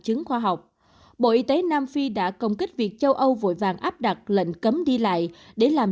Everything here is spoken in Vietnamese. chứng khoa học bộ y tế nam phi đã công kích việc châu âu vội vàng áp đặt lệnh cấm đi lại để làm